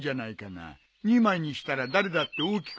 ２枚にしたら誰だって大きくなるはずだろ。